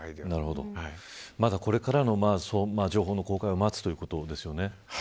これからの情報の公開を待つということですよね。